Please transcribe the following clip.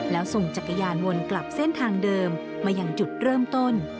แล้วส่งจักรยานวนกลับเส้นทางเดิมมาอย่างจุดเริ่มต้น